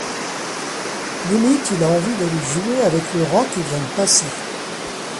Limite il a envie d’aller jouer avec le rat qui vient de passer.